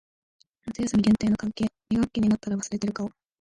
夏休み限定の関係。二学期になったら忘れている顔。